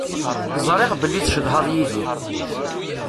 Ẓriɣ belli tcedhaḍ Yidir.